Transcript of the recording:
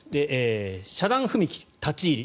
遮断踏切立ち入り